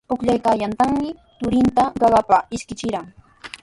Pukllaykaayanqantrawmi turinta qaqapa ishkichirqan.